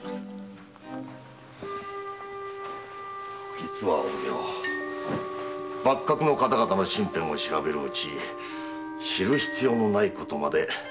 実は幕閣の方々の身辺を調べるうち知る必要のないことまで耳にしまして。